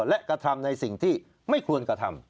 และกระทำในสิ่งที่ไม่ควรกระทำ